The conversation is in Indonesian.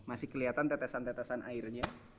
masih kelihatan tetesan tetesan airnya